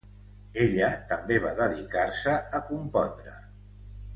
Ella també va dedicar-se a compondre.